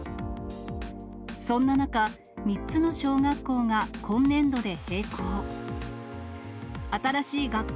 そんな中、３つの小学校が今年度で閉校。